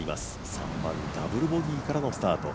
３番ダブルボギーからのスタート。